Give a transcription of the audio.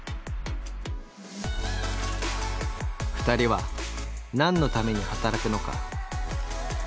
２人は何のために働くのか？